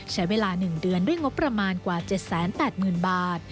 ใช้เวลา๑เดือนด้วยงบประมาณกว่า๗๘๐๐๐บาท